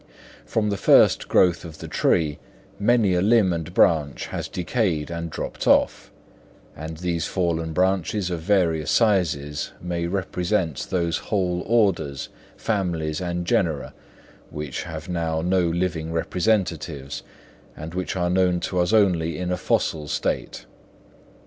From the first growth of the tree, many a limb and branch has decayed and dropped off; and these fallen branches of various sizes may represent those whole orders, families, and genera which have now no living representatives, and which are known to us only in a fossil state.